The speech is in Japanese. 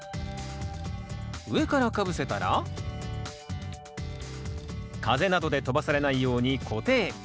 上からかぶせたら風などで飛ばされないように固定。